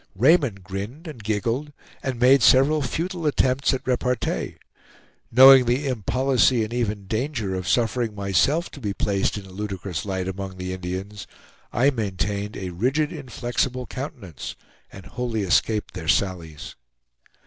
Raymond grinned and giggled, and made several futile attempts at repartee. Knowing the impolicy and even danger of suffering myself to be placed in a ludicrous light among the Indians, I maintained a rigid inflexible countenance, and wholly escaped their sallies.